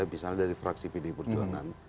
misalnya dari fraksi pd perjuangan